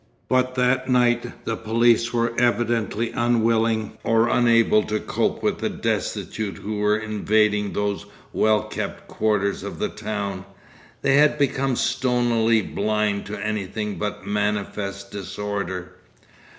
But that night the police were evidently unwilling or unable to cope with the destitute who were invading those well kept quarters of the town. They had become stonily blind to anything but manifest disorder.